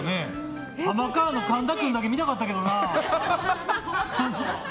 ハマカーンの神田君だけ見たかったけどな。